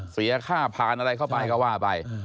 เสียค่าผ่านอะไรเข้าไปก็ว่าไป